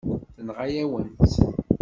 Tenɣa-yawen-tt.